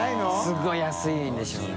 すごい安いんでしょうね。